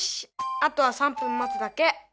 あとは３分待つだけ。